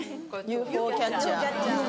ＵＦＯキャッチャー。